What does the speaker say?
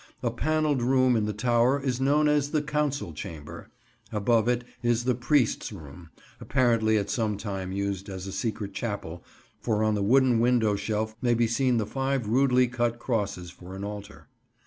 A panelled room in the tower is known as the "Council Chamber." Above it is the "Priest's Room," apparently at some time used as a secret chapel, for on the wooden window shelf may be seen the five rudely cut crosses for an altar.